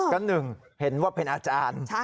ก็หนึ่งเห็นว่าเป็นอาจารย์